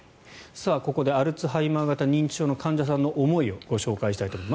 ここでアルツハイマー型認知症の患者さんの思いをご紹介したいと思います。